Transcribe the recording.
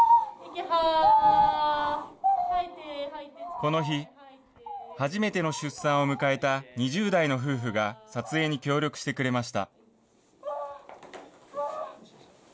この日、初めての出産を迎えた２０代の夫婦が、撮影に協力してくれました。